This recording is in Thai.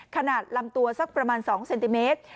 ขนาดลำตัวสักประมาณ๒เซนติเมตร